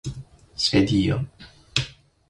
svedio